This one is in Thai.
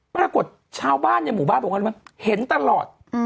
ปรากฏชาวบ้านในหมู่บ้านบอกว่ารู้ไหมเห็นตลอด